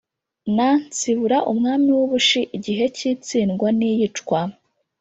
Na nsibura umwami w u bushi igihe k itsindwa n iyicwa